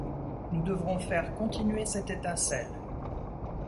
Nous devrons faire continuer cette étincelle.